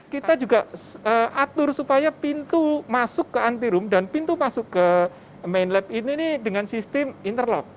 kita juga atur supaya pintu masuk ke antirum dan pintu masuk ke main lab ini dengan sistem interlock